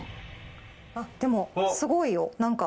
あっでもすごいよなんか。